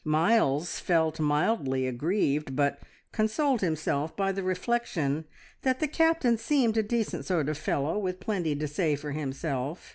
Miles felt mildly aggrieved, but consoled himself by the reflection that the Captain seemed a decent sort of fellow with plenty to say for himself.